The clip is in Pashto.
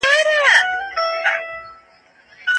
سپورت د ګډو هدفونو لپاره لار ده.